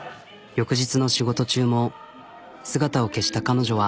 翌日の仕事中も姿を消した彼女は。